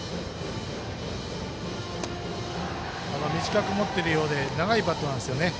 短く持っているようで長いバットなんですよね。